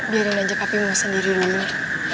biarin aja papi mu sendiri dulu